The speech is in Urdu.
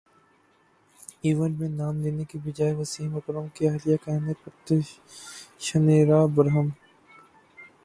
ایونٹ میں نام لینے کے بجائے وسیم اکرم کی اہلیہ کہنے پر شنیرا برہم